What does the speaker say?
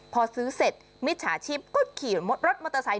พอซื้อเสร็จมิจฉาชีพก็ขี่รถมอเตอร์ไซค